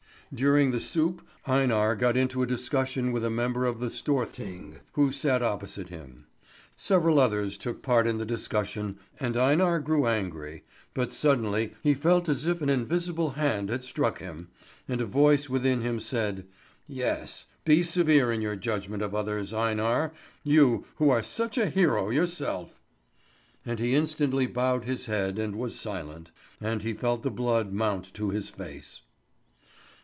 During the soup, Einar got into a discussion with a member of the Storthing, who sat opposite him. Several others took part in the discussion, and Einar grew angry, but suddenly he felt as if an invisible hand had struck him, and a voice within him said: "Yes, be severe in your judgment of others, Einar, you who are such a hero yourself!" And he instantly bowed his head and was silent; and he felt the blood mount to his face.